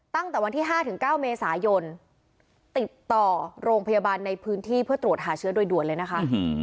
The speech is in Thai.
ตั้งแต่วันที่๕ถึง๙เมษายนติดต่อโรงพยาบาลในพื้นที่เพื่อตรวจหาเชื้อโดยด่วนเลยนะคะ